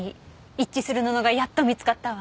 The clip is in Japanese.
一致する布がやっと見つかったわ。